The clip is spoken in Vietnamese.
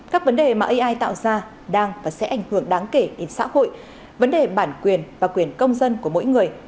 các vấn đề mà ai tạo ra đang và sẽ ảnh hưởng đáng kể đến xã hội vấn đề bản quyền và quyền công dân của mỗi người